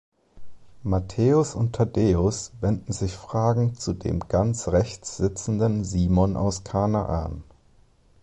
Matthäus und Thaddäus wenden sich fragend zu dem ganz rechts sitzenden Simon aus Kanaan.